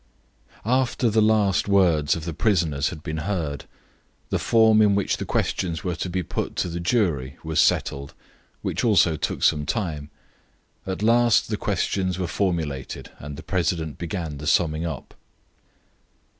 After the last words of the prisoners had been heard, the form in which the questions were to be put to the jury was settled, which also took some time. At last the questions were formulated, and the president began the summing up.